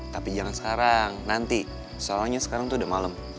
tapi jangan sekarang nanti soalnya sekarang tuh udah malam